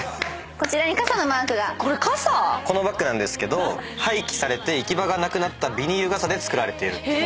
このバッグなんですけど廃棄されて行き場がなくなったビニール傘で作られているという。